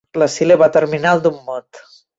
La síl·laba terminal d'un mot.